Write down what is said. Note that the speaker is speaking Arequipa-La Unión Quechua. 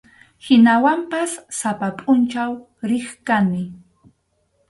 Hinawanpas sapa pʼunchaw riq kani.